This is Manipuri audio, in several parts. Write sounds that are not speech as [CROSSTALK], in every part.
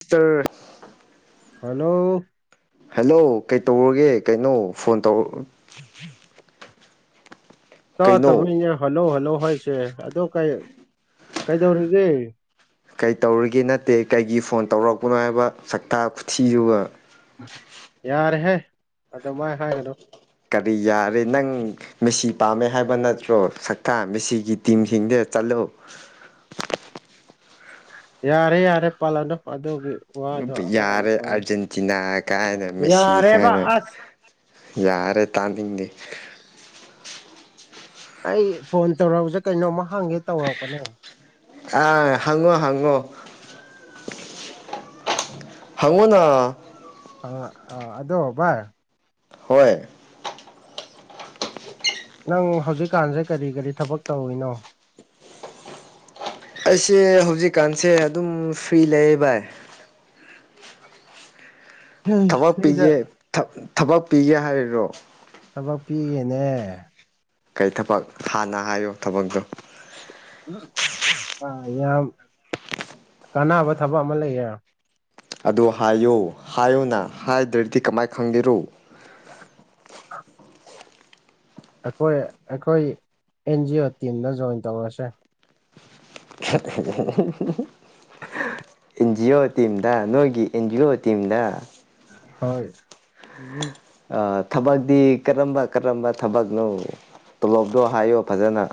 ꯁꯤꯁꯇ꯭ꯔ ꯍꯥꯜꯂꯣ ꯍꯜꯂꯣ ꯀꯩꯇꯧꯔꯒꯦ ꯀꯩꯅꯣ ꯐꯣꯟ ꯇꯧꯔꯛ ꯀꯩꯅꯣ ꯇꯥꯇꯕꯩꯅꯦ ꯍꯜꯂꯧ ꯍꯜꯂꯧ ꯍꯥꯏꯁꯦ ꯑꯗꯣ ꯀꯩ ꯀꯩꯗꯧꯔꯤꯒꯦ ꯀꯩ ꯇꯧꯔꯤꯒꯦ ꯅꯠꯇꯦ ꯀꯩꯒꯤ ꯐꯣꯟ ꯇꯧꯔꯛꯄꯅꯣ ꯍꯥꯏꯕ ꯁꯛꯇꯥ ꯈꯨꯊꯤꯗꯨꯒ ꯌꯥꯔꯦꯍꯦ ꯑꯗꯨꯃꯥꯏ ꯍꯥꯏꯒꯅꯨ ꯀꯔꯤ ꯌꯥꯔꯦ ꯅꯪ ꯃꯦꯁꯤ ꯄꯥꯝꯃꯦ ꯍꯥꯏꯕ ꯅꯠꯇ꯭ꯔꯣ ꯁꯛꯇꯥ ꯃꯦꯁꯤꯒꯤ ꯇꯤꯝꯁꯤꯡꯗ ꯆꯠꯂꯣ ꯌꯥꯔꯦ ꯌꯥꯔꯦ ꯄꯜꯂꯅꯨ ꯑꯗꯨꯒꯤ ꯋꯥꯗꯣ ꯑꯃꯨꯛ ꯍꯟꯅ ꯌꯥꯔꯦ ꯄꯜꯂꯅꯨ ꯑꯥꯔꯖꯦꯟꯇꯤꯅꯥ ꯀꯥꯏꯅ ꯃꯦꯁꯤ ꯌꯥꯔꯦꯕ ꯀꯥꯏꯅ ꯑꯁ ꯌꯥꯔꯦ ꯇꯥꯅꯤꯡꯗꯦ ꯑꯩ ꯐꯣꯟ ꯇꯧꯔꯛꯄꯖꯦ ꯀꯩꯅꯣꯝꯃ ꯍꯪꯒꯦ ꯇꯧꯔꯛꯄꯅꯦ ꯑꯥ ꯍꯪꯉꯣ ꯍꯪꯉꯣ ꯍꯪꯉꯨꯅꯥ ꯑ ꯑ ꯑꯗꯣ ꯕꯥꯏ ꯍꯣꯏ ꯅꯪ ꯍꯧꯖꯤꯛꯀꯥꯟꯁꯦ ꯀꯔꯤ ꯀꯔꯤ ꯊꯕꯛ ꯇꯧꯔꯤꯅꯣ ꯑꯩꯁꯦ ꯍꯧꯖꯤꯛꯀꯥꯟꯁꯦ ꯑꯗꯨꯝ ꯐ꯭ꯔꯤ ꯂꯩꯌꯦ ꯚꯥꯏ ꯍꯩꯁ ꯊꯕꯛ ꯐ꯭ꯔꯤꯗ ꯄꯤꯒꯦ ꯊꯞ ꯊꯕꯛ ꯄꯤꯒꯦ ꯍꯥꯏꯔꯤꯔꯣ ꯊꯕꯛ ꯄꯤꯒꯦꯅꯦ ꯀꯩ ꯊꯕꯛ ꯍꯥꯟꯅ ꯍꯥꯏꯌꯣ ꯊꯕꯛꯇꯣ ꯑ ꯌꯥꯝ ꯀꯥꯟꯅꯕ ꯊꯕꯛ ꯑꯃ ꯂꯩꯌꯦ ꯑꯗꯨ ꯍꯥꯏꯌꯣ ꯍꯥꯏꯌꯨꯅ ꯍꯥꯏꯗ꯭ꯔꯗꯤ ꯀꯃꯥꯏ ꯈꯪꯒꯦꯔꯣ ꯑꯩꯈꯣꯏ ꯑꯩꯈꯣꯏ ꯑꯦꯟ ꯖꯤ ꯑꯣ ꯇꯤꯝꯗ ꯖꯣꯏꯟ ꯇꯧꯔꯁꯦ [UNINTELLIGIBLE] ꯑ [UNINTELLIGIBLE] ꯑꯦꯟ ꯖꯤ ꯑꯣ ꯇꯤꯝꯗ ꯅꯣꯏꯒꯤ ꯑꯦꯟ ꯖꯤ ꯑꯣ ꯇꯤꯝꯗ ꯍꯣꯏ ꯑ ꯊꯕꯛꯇꯤ ꯀꯔꯝꯕ ꯀꯔꯝꯕ ꯊꯕꯛꯅꯣ ꯇꯣꯂꯣꯞꯁꯨ ꯍꯥꯏꯌꯣ ꯐꯖꯅ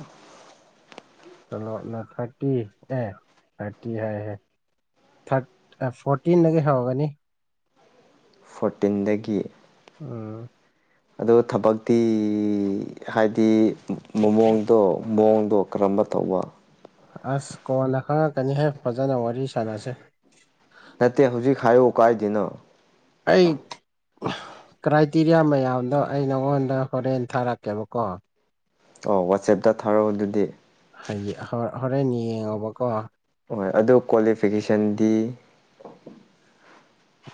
ꯇꯣꯂꯣꯞꯅ ꯊꯥꯔꯇꯤ ꯑꯦ ꯊꯥꯔꯇꯤ ꯍꯥꯏꯔꯦ ꯊꯠ ꯑ ꯐꯣꯔꯇꯤꯟꯗꯒꯤ ꯍꯧꯔꯒꯅꯤ ꯐꯣꯔꯇꯤꯟꯗꯒꯤ ꯎꯝ ꯑꯗꯣ ꯊꯕꯛꯇꯤ ꯍꯥꯏꯗꯤ ꯃꯑꯣꯡꯗꯣ ꯃꯑꯣꯡꯗꯣ ꯀꯔꯝꯕ ꯇꯧꯕ ꯑꯁ ꯀꯣꯟꯅ ꯈꯪꯪꯉꯛꯀꯅꯤꯍꯦ ꯐꯖꯅ ꯋꯥꯔꯤ ꯁꯥꯟꯅꯁꯦ ꯅꯠꯇꯦ ꯍꯧꯖꯤꯛ ꯍꯥꯏꯌꯣ ꯀꯥꯏꯗꯦꯅ ꯑꯩ ꯀ꯭ꯔꯥꯏꯇꯤꯔꯤꯌꯥ ꯃꯌꯥꯝꯗꯣ ꯑꯩ ꯅꯪꯉꯣꯟꯗ ꯍꯣꯔꯦꯟ ꯊꯥꯔꯛꯀꯦꯕꯀꯣ ꯑꯣ ꯋꯥꯆꯦꯞꯇ ꯊꯥꯔꯛꯑꯣ ꯑꯗꯨꯗꯤ ꯍꯥꯏꯗꯤ ꯍꯣ ꯍꯣꯔꯦꯟ ꯌꯦꯡꯉꯣꯕꯀꯣ ꯍꯣꯏ ꯑꯗꯨ ꯀ꯭ꯋꯥꯂꯤꯐꯤꯀꯦꯁꯟꯗꯤ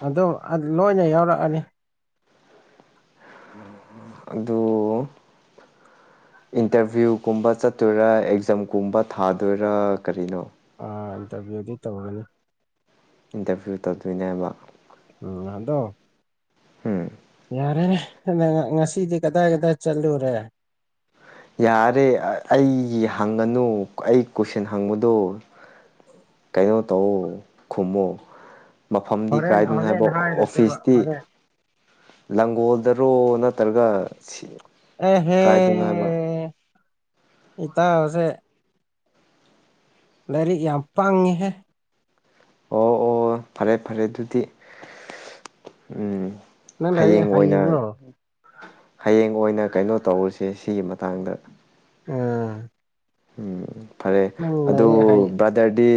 ꯑꯗꯣ ꯑꯟ ꯂꯣꯏꯅ ꯌꯥꯎꯔꯛꯑꯅꯤ ꯑꯗꯨ ꯏꯟꯇꯔꯚ꯭ꯌꯨꯏꯒꯨꯝꯕ ꯆꯠꯇꯣꯏꯔꯥ ꯑꯦꯛꯖꯥꯝꯒꯨꯝꯕ ꯊꯥꯗꯣꯏꯔꯥ ꯀꯔꯤꯅꯣ ꯑ ꯏꯟꯇꯔꯚ꯭ꯌꯨꯏꯗꯤ ꯇꯧꯔꯅꯤ ꯏꯟꯇꯔꯚ꯭ꯌꯨꯏ ꯇꯧꯗꯣꯏꯅꯦꯕ ꯎꯝ ꯑꯗꯣ ꯎꯝ ꯌꯥꯔꯦꯅꯦ ꯉꯁꯤꯗꯤ ꯀꯗꯥꯏ ꯀꯗꯥꯏ ꯆꯠꯂꯨꯔꯦ ꯌꯥꯔꯦ ꯑꯩꯒꯤ ꯍꯪꯒꯅꯨ ꯑꯩ ꯀꯣꯏꯁꯟ ꯍꯪꯕꯗꯣ ꯀꯩꯅꯣ ꯇꯧꯋꫭ ꯈꯨꯝꯃꫭ ꯃꯐꯝꯗꯤ ꯍꯣꯔꯦꯟ ꯀꯥꯏꯗꯅꯦ ꯍꯣꯔꯦꯟ ꯍꯥꯏꯕ ꯍꯥꯏꯔꯁꯦꯕ ꯑꯣꯐꯤꯁꯇꯤ ꯍꯣꯔꯦꯟ ꯂꯥꯡꯒꯣꯜꯗꯔꯣ ꯅꯠꯇ꯭ꯔꯒ ꯑꯦꯍꯦ ꯀꯥꯏꯗꯅꯣ ꯍꯥꯏꯕ ꯏꯇꯥꯎꯖꯦ ꯂꯥꯏꯔꯤꯛ ꯌꯥꯝ ꯄꯥꯡꯉꯦꯍꯦ ꯑꯣ ꯑꯣ ꯐꯔꯦ ꯐꯔꯦ ꯑꯗꯨꯗꯤ ꯎꯝ ꯅꯪ ꯂꯥꯏꯔꯤꯛ ꯍꯌꯦꯡ ꯑꯣꯏꯅ ꯍꯩꯕ꯭ꯔꯣ ꯍꯌꯦꯡ ꯑꯣꯏꯅ ꯀꯩꯅꯣ ꯇꯧꯔꯨꯁꯦ ꯁꯤꯒꯤ ꯃꯇꯥꯡꯗ ꯎꯝ ꯎꯝ ꯐꯔꯦ ꯑꯗꯨ ꯂꯥꯏꯔꯤꯛ ꯍꯩ ꯗꯗꯤ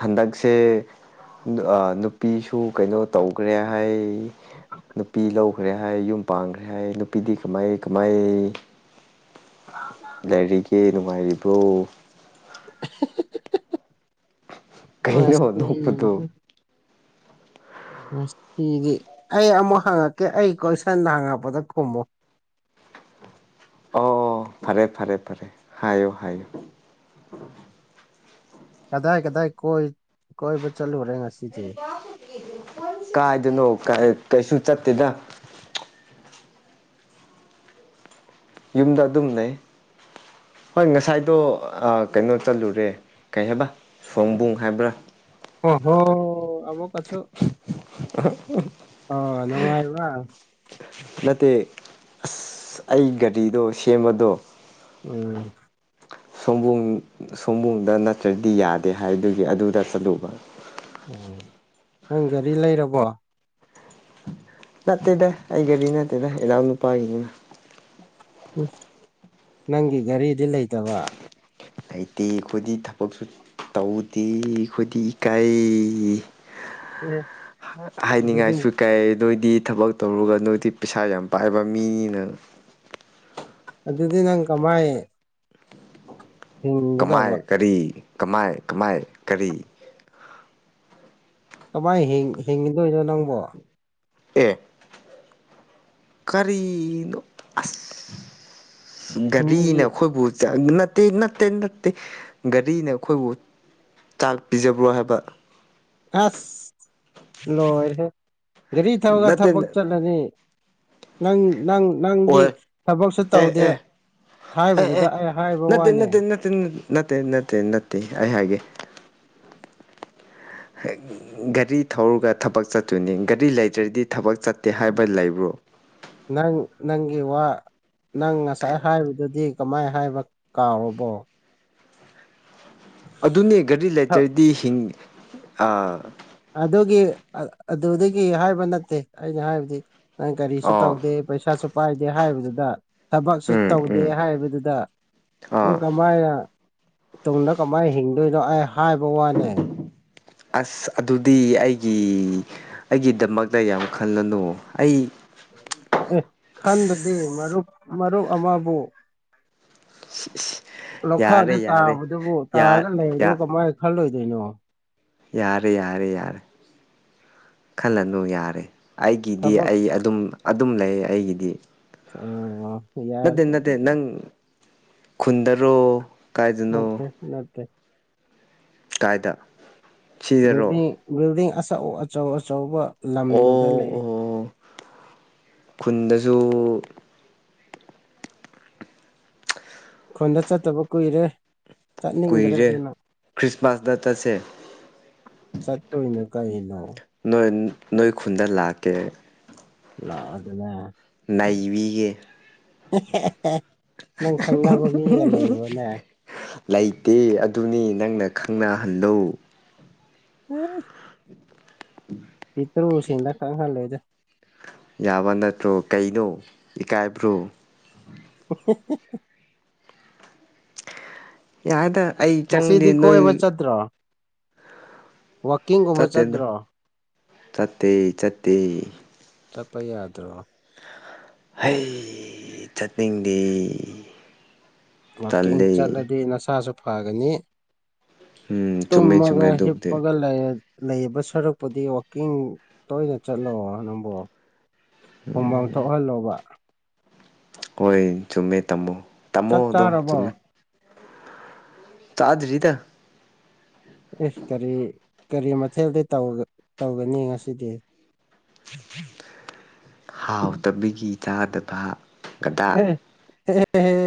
ꯍꯟꯗꯛꯁꯦ ꯅꯨ ꯅꯨꯄꯤꯁꯨ ꯀꯩꯅꯣ ꯇꯧꯈ꯭ꯔꯦ ꯍꯥꯏ ꯎ ꯅꯨꯄꯤ ꯂꯧꯈ꯭ꯔꯦ ꯍꯥꯏ ꯌꯨꯝ ꯄꯥꯡꯈ꯭ꯔꯦ ꯍꯥꯏ ꯅꯨꯄꯤꯗꯤ ꯀꯃꯥꯏ ꯀꯃꯥꯏ ꯂꯩꯔꯤꯒꯦ ꯅꯨꯡꯉꯥꯏꯔꯤꯕ꯭ꯔꯣ [INAUDIBLE] ꯀꯩꯅꯩꯅ ꯅ ꯎꯄꯗꯨ ꯉꯁꯤꯗꯤ ꯁꯤꯗꯤ ꯑꯩ ꯑꯃꯨꯛ ꯍꯪꯉꯛꯀꯦ ꯑꯩ ꯀꯣꯏꯁꯟꯗ ꯍꯪꯉꯛꯄꯗ ꯈꯨꯝꯃꯣ ꯑꯣ ꯐꯔꯦ ꯐꯔꯦ ꯐꯔꯦ ꯍꯥꯏꯌꯨ ꯍꯥꯏꯌꯨ ꯀꯗꯥꯏ ꯀꯗꯥꯏ ꯀꯣꯏ ꯀꯣꯏꯕ ꯆꯜꯂꯨꯔꯦ ꯉ ꯀꯥꯏꯗꯅꯣ ꯀꯩꯁꯨ ꯆꯠꯇꯦꯗ ꯌꯨꯝꯗ ꯑꯗꯨꯝꯅ ꯍꯣꯏ ꯉꯁꯥꯏꯗꯣ ꯀꯩꯅꯣ ꯆꯠꯂꯨꯔꯦ ꯀꯩ ꯍꯥꯏꯕ ꯁꯣꯕꯨꯡ ꯍꯥꯏꯕ꯭ꯔꯥ ꯑꯣ ꯍꯣ ꯑꯃꯃꯨꯛ ꯀꯁꯨ ꯑꯣ ꯅꯅꯨꯡꯉꯥꯏ ꯋꯥ ꯅꯠꯇꯦ ꯑꯁ ꯑꯩ ꯒꯥꯔꯤꯗꯣ ꯁꯦꯝꯕꯗꯣ ꯎꯝ ꯁꯣꯝꯕꯣꯡ ꯁꯣꯝꯕꯨꯡꯗ ꯅꯠꯇ꯭ꯔꯗꯤ ꯌꯥꯗꯦ ꯍꯥꯏꯕꯗꯨꯒꯤ ꯑꯗꯨꯗ ꯆꯠꯂꯨꯕ ꯑꯣ ꯅꯪ ꯒꯥꯔꯤ ꯂꯩꯔꯕꯣ ꯅꯠꯇꯦꯗ ꯑꯩ ꯒꯥꯔꯤ ꯅꯠꯇꯦꯗ ꯏꯅꯥꯎ ꯅꯨꯄꯥꯒꯤꯅꯤꯅ ꯎ ꯅꯪꯒꯤ ꯒꯥꯔꯤꯗꯤ ꯂꯩꯇꯕ ꯂꯩꯇꯦ ꯑꯩꯈꯣꯏꯗꯤ ꯊꯕꯛꯁꯨ ꯇꯧꯗꯦ ꯑꯩꯈꯣꯏꯗꯤ ꯏꯀꯥꯏ ꯑꯦ ꯑꯗꯨꯗꯤ ꯍꯥꯏꯅꯤꯡꯉꯥꯏꯁꯨ ꯀꯩ ꯑꯗꯨ ꯑꯣꯏꯗꯤ ꯊꯕꯛ ꯇꯧꯔꯒ ꯅꯣꯏꯗꯤ ꯄꯩꯁꯥ ꯌꯥꯝ ꯄꯥꯏꯕ ꯃꯤꯅꯤꯅ ꯑꯗꯨꯗꯤ ꯅꯪ ꯀꯃꯥꯏꯦ ꯀꯃꯥꯏ ꯀꯔꯤ ꯀꯃꯥꯏ ꯀꯃꯥꯏ ꯀꯔꯤ ꯀꯃꯥꯏꯅ ꯍꯤꯡꯉꯗꯣꯏꯅꯣ ꯅꯪꯕꯣ ꯑꯦ ꯀꯔꯤꯅꯣ ꯑꯁ ꯒꯥꯔꯤꯅ ꯃꯤꯒꯤ ꯑꯩꯈꯣꯏꯕꯨ ꯅꯠꯇꯦ ꯅꯠꯇꯦ ꯅꯠꯇꯦ ꯒꯥꯔꯤꯅ ꯑꯩꯈꯣꯏꯕꯨ ꯆꯥꯛ ꯄꯤꯖꯕ꯭ꯔꯣ ꯍꯥꯏꯕ ꯑꯁ ꯂꯣꯏꯔꯦ ꯒꯥꯔꯤ ꯊꯧꯔꯒ ꯅꯠꯇꯦ ꯊꯕꯛ ꯆꯠꯂꯅꯤ ꯅꯪ ꯅꯪ ꯅꯪꯗꯤ ꯑꯣꯏ ꯊꯕꯛꯁꯨ ꯑꯦ ꯇꯧꯗꯦ ꯑꯦ ꯍꯥꯏꯕꯗꯨꯗ ꯑꯩ ꯍꯥꯏꯕ ꯋꯥꯅꯦ ꯅꯠꯇ ꯅꯠꯇꯦ ꯅꯠꯇꯦ ꯅꯠꯇꯦ ꯑꯩ ꯍꯥꯏꯒꯦ ꯒꯥꯔꯤ ꯊꯧꯔꯒ ꯊꯕꯛ ꯆꯠꯇꯣꯏꯅꯤ ꯒꯥꯔꯤ ꯂꯩꯗ꯭ꯔꯗꯤ ꯊꯕꯛ ꯆꯠꯇꯦ ꯍꯥꯏꯕ ꯂꯩꯕ꯭ꯔꯣ ꯅꯪ ꯅꯪꯒꯤ ꯋꯥ ꯅꯪ ꯉꯁꯥꯏ ꯍꯥꯏꯕꯗꯨꯗꯤ ꯀꯃꯥꯏꯅ ꯍꯥꯏꯕ ꯀꯥꯎꯔꯕꯣ ꯑꯗꯨꯅꯦ ꯒꯥꯔꯤ ꯂꯩꯦꯇꯔꯗꯤ ꯍꯤꯡ ꯑꯗꯨꯒꯤ ꯑꯗꯨꯗꯒꯤ ꯍꯥꯏꯕ ꯅꯠꯇꯦ ꯑꯩꯅ ꯍꯥꯏꯕꯗꯤ ꯅꯪ ꯀꯔꯤꯁꯨ ꯑꯣ ꯇꯧꯗꯦ ꯄꯩꯁꯥꯁꯨ ꯄꯥꯏꯗꯦ ꯍꯥꯏꯕꯗꯨꯗ ꯊꯕꯛꯁꯨ ꯎꯝ ꯇꯧꯗꯦ ꯎꯝ ꯍꯥꯏꯕꯗꯨꯗ ꯎ ꯑꯥ ꯀꯃꯥꯏꯅ ꯇꯨꯡꯗ ꯀꯃꯥꯏꯅ ꯍꯤꯡꯗꯣꯏꯅꯣ ꯑꯩ ꯍꯥꯏꯕ ꯋꯥꯅꯦ ꯑꯁ ꯑꯗꯨꯗꯤ ꯑꯩꯒꯤ ꯑꯩꯒꯤꯗꯃꯛ ꯗ ꯌꯥꯝ ꯈꯜꯂꯅꯨ ꯑꯩ ꯑ ꯑꯦ ꯈꯟꯗꯗꯤ ꯃꯔꯨꯞ ꯃꯔꯨꯞ ꯑꯃꯕꯨ ꯂꯧꯈꯥꯗ ꯌꯥꯔꯦ ꯌꯥꯔꯦ ꯇꯥꯕꯗꯨꯕꯨ ꯌꯥ ꯇꯥꯔꯒ ꯂꯩꯕꯗꯨ ꯌꯥ ꯀꯃꯥꯏꯅ ꯈꯜꯂꯣꯏꯗꯣꯏꯅꯣ ꯌꯥꯔꯦ ꯌꯥꯔꯦ ꯌꯥꯔꯦ ꯈꯜꯂꯅꯨ ꯌꯥꯔꯦ ꯑꯩꯒꯤꯗꯤ ꯊꯕꯛ ꯑꯩ ꯑꯗꯨꯝ ꯑꯗꯨꯝ ꯂꯩ ꯑꯩꯒꯤꯗꯤ [UNINTELLIGIBLE] ꯅꯠꯇꯦ ꯅꯠꯇꯦ ꯑꯗꯨꯗꯤ ꯅꯪ ꯈꯨꯟꯗꯔꯣ ꯀꯥꯏꯗꯅꯣ ꯅꯠꯇꯦ ꯅꯠꯇꯦ [UNINTELLIGIBLE] ꯀꯥꯏꯗ ꯁꯤꯗꯔꯣ ꯕꯤꯜꯗꯤꯡ ꯑꯆꯧ ꯑꯆꯧ ꯑꯆꯧꯕ ꯂꯝꯗꯨꯗ ꯑꯣ ꯂꯩ ꯑꯣ ꯈꯨꯟꯗꯁꯨ ꯈꯨꯟꯗ ꯆꯠꯇꯕ ꯀꯨꯏꯔꯦ ꯆꯠꯅꯤꯡꯗ꯭ꯔꯦ ꯀꯨꯏꯔꯦ ꯑꯗꯨꯅ ꯈ꯭ꯔꯤꯁꯃꯥꯁꯗ ꯆꯠꯁꯦ ꯁꯠꯇꯣꯏꯅꯦ ꯀꯩꯅꯣ ꯅꯣꯏ ꯅꯣꯏ ꯈꯨꯟꯗ ꯂꯥꯛꯀꯦ ꯂꯥꯛꯑꯣꯗꯅ ꯅꯩꯕꯤꯒꯦ [UNINTELLIGIBLE] ꯅꯪ ꯈꯪꯅꯕ ꯃꯤꯒ ꯂꯩꯕ꯭ꯔꯣꯅꯦ ꯂꯩꯇꯦ ꯑꯗꯨꯅꯤ ꯅꯪꯅ ꯈꯪꯅꯍꯜꯂꯨ ꯎꯝ [INAUDIBLE] [UNINTELLIGIBLE] ꯁꯤꯡꯗ ꯈꯪꯍꯟꯂꯣꯏꯗ ꯌꯥꯕ ꯅꯠꯇ꯭ꯔꯣ ꯀꯩꯅꯣ ꯏꯀꯥꯏꯕ꯭ꯔꯣ [UNINTELLIGIBLE] ꯌꯥꯗ ꯑꯩ ꯆꯪꯗꯦ ꯅꯣꯏ ꯅꯠꯇ꯭ꯔꯣ ꯋꯥꯀꯤꯡꯒꯨꯝꯕ ꯆꯠꯇꯦꯗ ꯆꯠꯇ꯭ꯔꯣ ꯆꯠꯇꯦ ꯆꯠꯇꯦ ꯆꯠꯄ ꯌꯥꯗ꯭ꯔꯣ ꯍꯩ ꯆꯠꯅꯤꯡꯗꯦ ꯋꯥꯀꯤꯡ ꯇꯜꯂꯦ ꯆꯠꯂꯗꯤ ꯅꯁꯥꯁꯨ ꯐꯒꯅꯤ ꯎꯝ ꯆꯨꯝꯃꯦ ꯆꯨꯝꯃꯦ ꯇꯨꯝꯃꯒ ꯑꯗꯨꯕꯨꯗꯤ ꯍꯤꯞꯄꯒ ꯂꯩꯔꯗꯤ ꯂꯩꯕ ꯁꯔꯨꯛꯄꯨꯗꯤ ꯋꯥꯛꯀꯤꯡ ꯇꯣꯏꯅ ꯆꯠꯂꯣ ꯅꯪꯕꯨ ꯍꯨꯃꯥꯡ ꯊꯣꯛꯍꯜꯂꯣꯕ ꯍꯣꯏ ꯆꯨꯝꯃꯦ ꯇꯝꯃꯣ ꯇꯝꯃꯣ ꯆꯥꯛ ꯑꯗꯣ ꯆꯥꯔꯕꯣ ꯆꯨꯝꯃꯦ ꯆꯥꯗ꯭ꯔꯤꯗ ꯑꯦ ꯀꯔꯤ ꯀꯔꯤ ꯃꯊꯦꯜꯗꯤ ꯇꯧꯒꯅꯤ ꯉꯁꯤꯗꯤ [UNINTELLIGIBLE] ꯍꯥꯎ ꯇꯕꯤꯒꯤ ꯆꯥꯗꯕ ꯒꯗꯥ [UNINTELLIGIBLE]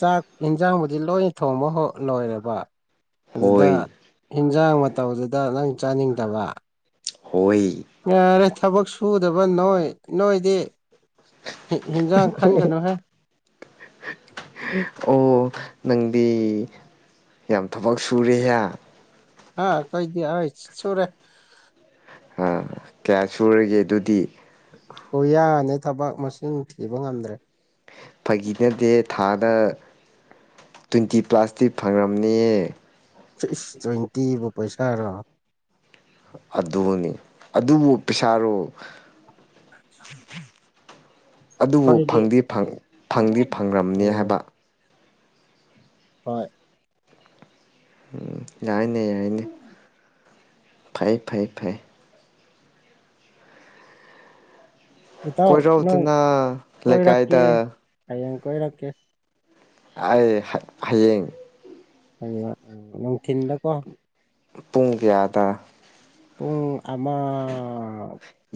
ꯆꯥꯛ ꯌꯦꯟꯖꯥꯡꯕꯨꯗꯤ ꯂꯣꯏ ꯊꯣꯡꯕ ꯂꯣꯏꯔꯦꯕ ꯑꯗꯨꯗ ꯍꯣꯏ ꯍꯤꯟꯖꯥꯡ ꯃꯇꯧꯗꯨꯗ ꯅꯪ ꯆꯥꯅꯤꯡꯗꯕ ꯍꯣꯏ ꯌꯥꯔꯦ ꯊꯕꯛ ꯁꯨꯗꯕ ꯅꯣꯏ ꯅꯣꯏꯗꯤ ꯍꯤ ꯍꯤꯟꯖꯥꯡ ꯈꯟꯒꯅꯨꯍꯦ [UNINTELLIGIBLE] [INAUDIBLE] ꯑꯣ ꯅꯪꯗꯤ ꯌꯥꯝ ꯊꯕꯛ ꯁꯨꯔꯦꯍꯦ ꯍꯥ ꯑꯩꯈꯣꯏꯗꯤ ꯍꯥꯏ ꯁꯨꯔꯦ ꯑ ꯀꯌꯥ ꯁꯨꯔꯒꯦ ꯑꯗꯨꯗꯤ ꯈꯨꯌꯥꯅꯤ ꯊꯕꯛ ꯃꯁꯤꯡ ꯊꯤꯕ ꯉꯝꯗ꯭ꯔꯦ ꯐꯒꯤ ꯅꯠꯗꯦ ꯊꯥꯗ ꯇ꯭ꯋꯦꯟꯇꯤ ꯄ꯭ꯂꯥꯁꯇꯤ ꯐꯪꯉꯝꯅꯤꯌꯦ ꯏꯁ ꯇ꯭ꯋꯦꯟꯇꯤꯕꯨ ꯄꯩꯁꯥꯔꯣ ꯑꯗꯨꯅꯤ ꯑꯗꯨꯕꯨ ꯄꯩꯁꯥꯔꯣ ꯑ ꯑꯗꯨꯕꯨ ꯐꯪꯗꯤ ꯐꯪꯗꯤ ꯐꯪ꯭ꯔꯝꯅꯤ ꯎꯝ ꯍꯥꯏꯕ ꯍꯣꯏ ꯌꯥꯏꯅꯦ ꯌꯥꯏꯅꯦ ꯐꯩ ꯐꯩ ꯐꯩ ꯏꯇꯥꯎ ꯅꯣꯏ ꯀꯣꯏꯔꯧꯗꯅ ꯀꯣꯏꯔꯛꯀꯦ ꯂꯩꯀꯥꯏꯗ ꯍꯌꯦꯡ ꯀꯣꯏꯔꯛꯀꯦ ꯑꯩ ꯍꯌꯦꯡ ꯑꯣꯡ ꯊꯗꯀꯣ ꯄꯨꯡ ꯀꯌꯥꯗ ꯄꯨꯡ ꯑꯃ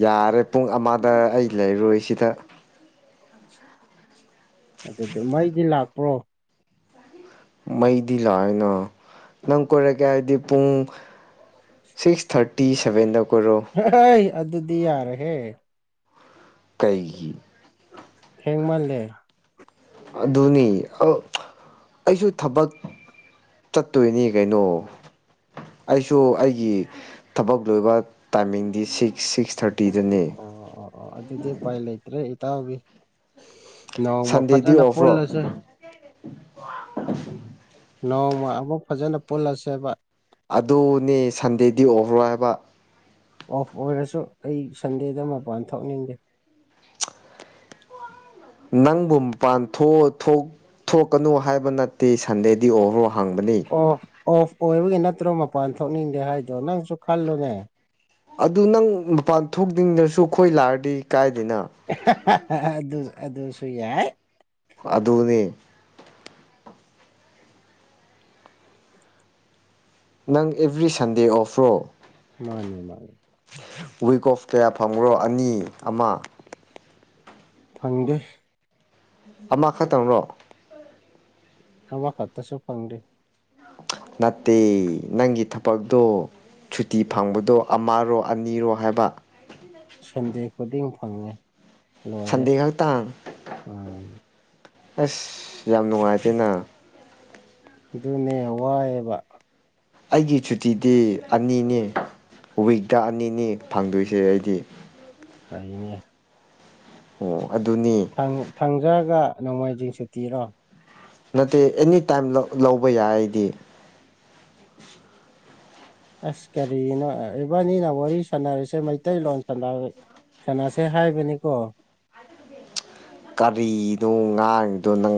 ꯌꯥꯔꯦ ꯄꯨꯡ ꯑꯃꯗ ꯑꯩ ꯂꯩꯔꯣꯏ ꯁꯤꯗ ꯑꯗꯨꯗꯤ ꯃꯩꯗꯤ ꯂꯥꯛꯄ꯭ꯔꯣ ꯃꯩꯗꯤ ꯂꯥꯛꯑꯣꯏꯅ ꯅꯪ ꯀꯣꯏꯔꯛꯀꯦ ꯍꯥꯏꯗꯤ ꯄꯨꯡ ꯁꯤꯛꯁ ꯊꯥꯔꯇꯤ ꯁꯦꯕꯦꯟꯗ ꯀꯔꯣ ꯑꯩ ꯑꯗꯨꯗꯤ ꯌꯥꯔꯦꯍꯦ ꯀꯩꯒꯤ ꯍꯦꯡꯡ ꯃꯥꯜꯂꯦ ꯑꯗꯨꯅꯤ ꯑꯩꯁꯨ ꯊꯕꯛ ꯆꯠꯇꯣꯏꯅꯤ ꯀꯩꯅꯣ ꯑꯩꯁꯨ ꯑꯩꯒꯤ ꯊꯕꯛ ꯂꯣꯏꯕ ꯇꯥꯏꯃꯤꯡꯗꯤ ꯁꯤꯛꯁ ꯁꯤꯛꯁ ꯊꯥꯔꯇꯤ ꯀꯤꯗꯅꯦ ꯑꯣ ꯑꯣ ꯑꯣ ꯑꯗꯨꯗꯤ ꯎꯄꯥꯏ ꯂꯩꯇ꯭ꯔꯦ ꯏꯇꯥꯎꯒꯤ ꯅꯃ ꯁꯟꯗꯦꯗꯤ ꯐꯖꯥꯅ ꯑꯣꯐꯔꯣ ꯐꯣꯜꯂꯁꯦ ꯅꯣꯡꯃ ꯑꯃꯨꯛ ꯐꯖꯅ ꯄꯨꯜꯂꯁꯦꯕ ꯑꯗꯨꯅꯦ ꯁꯟꯗꯦꯗꯤ ꯑꯣꯏꯈ꯭ꯔꯣ ꯍꯥꯏꯕ ꯑꯣꯐ ꯑꯣꯏꯔꯁꯨ ꯑꯩ ꯁꯟꯗꯦꯗ ꯃꯄꯥꯟ ꯊꯣꯛꯅꯤꯡꯗꯦ ꯅꯪꯕꯨ ꯄꯥꯟꯊꯣꯛ ꯊꯣꯛ ꯊꯣꯛꯀꯅꯨ ꯍꯥꯏꯕ ꯅꯠꯇꯦ ꯁꯟꯗꯦꯗꯤ ꯑꯣꯕꯔꯣ ꯍꯥꯡꯕꯅꯤ ꯑꯣꯐ ꯑꯣꯐ ꯑꯣꯏꯕꯒꯤ ꯅꯠꯇ꯭ꯔꯣ ꯃꯄꯥꯟ ꯊꯣꯛꯅꯤꯡꯗꯦ ꯍꯥꯏꯗꯣ ꯅꯪꯁꯨ ꯈꯜꯂꯨꯅꯦ ꯑꯗꯨ ꯅꯪ ꯃꯄꯥꯟ ꯊꯣꯛꯇ꯭ꯔꯤꯗꯁꯨ ꯑꯩꯈꯣꯏ ꯂꯥꯛꯔꯗꯤ ꯀꯥꯏꯗꯅ ꯑꯗꯨ ꯑꯗꯨꯁꯨ ꯌꯥꯏ ꯑꯗꯨꯅꯤ ꯅꯪ ꯑꯦꯕ꯭ꯔꯤ ꯁꯟꯗꯦ ꯑꯣꯐ꯭ꯔꯣ ꯃꯥꯅꯦ ꯃꯥꯅꯦ ꯋꯤꯛ ꯑꯣꯐ ꯀꯌꯥ ꯐꯪꯕ꯭ꯔꯣ ꯑꯅꯤ ꯑꯃ ꯐꯪꯗꯦ ꯑꯃ ꯈꯛꯇꯪꯔꯣ ꯑ ꯋꯥ ꯀꯠꯇꯁꯨꯣꯄꯪꯔꯤ ꯅꯠꯇꯦ ꯅꯪꯒꯤ ꯊꯕꯛꯇꯣ ꯁꯨꯇꯤ ꯐꯪꯕꯗꯣ ꯑꯃꯔꯣ ꯑꯅꯤꯔꯣ ꯍꯥꯏꯕ ꯁꯟꯗꯦ ꯈꯨꯗꯤꯡ ꯐꯪꯉꯦ ꯂꯣꯏꯔꯦ ꯁꯟꯗꯦ ꯈꯛꯇꯥꯡ ꯎꯝ ꯑꯁ ꯌꯥꯝ ꯅꯨꯡꯉꯥꯏꯇꯦꯅ ꯑꯗꯨꯅꯦ ꯋꯥꯏꯑꯦꯕ ꯑꯩꯒꯤ ꯁꯨꯇꯤꯗꯤ ꯑꯅꯤꯅꯤ ꯋꯤꯛꯇ ꯑꯅꯤꯅꯤ ꯐꯪꯗꯣꯏꯁꯦ ꯑꯩꯗꯤ ꯇ ꯏꯅꯦ ꯑꯣ ꯑꯗꯨꯅꯤ ꯊꯪꯖꯔꯒ ꯅꯣꯡꯃꯥꯏꯖꯤꯡꯁꯤ ꯄꯤꯔꯣ ꯅꯠꯇꯦ ꯑꯦꯅꯤ ꯇꯥꯏꯝ ꯂꯧꯕ ꯌꯥꯗꯤ ꯑꯁ ꯀꯔꯤꯒꯤꯅꯣ ꯏꯕꯥꯅꯤꯅ ꯋꯥꯔꯤ ꯁꯥꯟꯅꯔꯤꯁꯦ ꯃꯩꯇꯩꯂꯣꯟ ꯁꯥꯟꯅꯔ ꯁꯅꯥꯁꯦ ꯍꯥꯏꯕꯅꯤꯀꯣ꯫ ꯀꯔꯤꯅꯣ ꯉꯥꯡꯉꯔꯤꯗꯣ ꯅꯪ꯫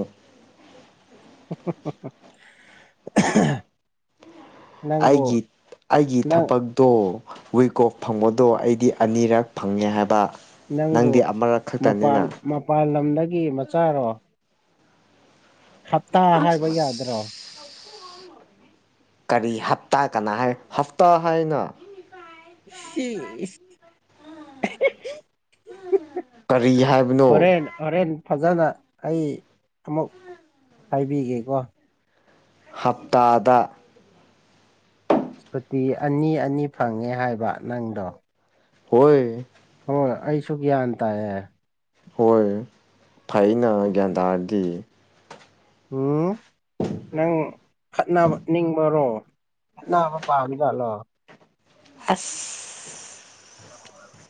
[UNINTELLIGIBLE] ꯅꯪꯕꯨ ꯑꯩꯒꯤ ꯑꯩꯒꯤ ꯅꯪ ꯊꯕꯛ꯫ ꯇꯣ ꯋꯤꯀꯣꯐ ꯐꯪꯕꯗꯣ ꯑꯩꯗꯤ ꯑꯅꯤꯔꯛ ꯐꯪꯉꯦ ꯍꯥꯏꯕ꯫ ꯅꯪꯗꯤ ꯑꯃꯔꯛ ꯈꯛꯇꯅꯤꯅ꯫ ꯃꯄꯥꯥꯟ ꯂꯝꯗꯒꯤ ꯃꯆꯥꯔꯣ꯫ ꯍꯞꯇꯥ ꯍꯥꯏꯕ ꯌꯥꯗ꯭ꯔꯣ꯫ [UNINTELLIGIBLE] ꯀꯔꯤ ꯍꯞꯇꯥ ꯀꯅꯥ ꯍꯥꯏ ꯍꯞꯇꯥ ꯍꯥꯏꯅ ꯁꯤ [UNINTELLIGIBLE] ꯀꯔꯤ ꯍꯥꯏꯕꯅꯣ꯫ ꯍꯣꯔꯦꯟ ꯍꯣꯔꯦꯟ ꯐꯖꯅ ꯑꯩ ꯑꯃꯨꯛ ꯍꯥꯏꯕꯤꯒꯦꯀꯣ꯫ ꯍꯞꯇꯥꯗ꯫ ꯁꯨꯇꯤ ꯑꯅꯤ ꯑꯅꯤ ꯐꯪꯉꯦ ꯍꯥꯏꯕ ꯅꯪꯗꯣ꯫ ꯍꯣꯏ꯫ ꯍꯣꯏ ꯑꯩꯁꯨ ꯒ꯭ꯌꯥꯟ ꯇꯥꯏꯌꯦ꯫ ꯍꯣꯏ ꯐꯩꯅ ꯒ꯭ꯌꯥꯟ ꯇꯥꯔꯗꯤ꯫ ꯎꯝ꯫ ꯅꯪ ꯈꯠꯅꯕ ꯅꯤꯡꯕꯔꯣ ꯈꯠꯅꯕ ꯄꯥꯝꯃꯤꯖꯥꯠꯂꯣ꯫ ꯑꯁ꯫ [UNINTELLIGIBLE]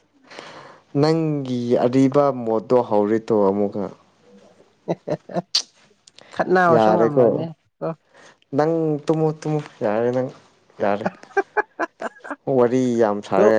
ꯅꯪꯒꯤ ꯑꯔꯤꯕ ꯃꯣꯠꯇꯣ ꯍꯧꯔꯤ ꯇꯣ ꯑꯃꯨꯛꯀ꯫ [UNINTELLIGIBLE] ꯈꯠꯅꯕꯁꯨ ꯉꯝꯂꯣꯏꯅꯦ ꯌꯥꯔꯦꯀꯣ ꯀꯣ ꯅꯪ ꯇꯨꯃꯨ ꯇꯨꯃꯨ ꯌꯥꯔꯦ ꯅꯪ꯫ ꯌꯥꯔꯦ ꯋꯥꯔꯤ ꯌꯥꯝ ꯁꯥꯔꯦ꯫